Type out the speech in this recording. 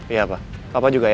iya pak apa juga ya